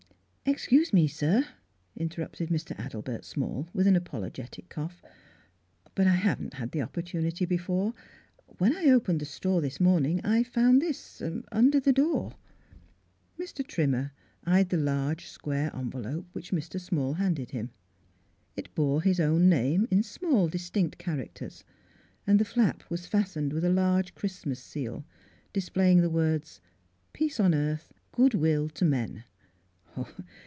" Excuse me, sir," interrupted Mr. Adelbert Small, with an apologetic cough, " but I haven't had the opportunity be fore. When I opened the store this morn ing I found this — ah — under the door." Mr. Trimmer eyed the large square en velope, which Mr. Small handed him. It bore his own name in small distinct char acters, and the flap was fastened with a large Christmas seal displaying the words " Peace on Earth, Good will to men."